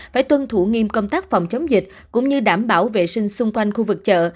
phải tuân thủ nghiêm công tác phòng chống dịch cũng như đảm bảo vệ sinh xung quanh khu vực chợ